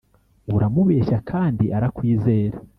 uramubeshya, kandi arakwizera.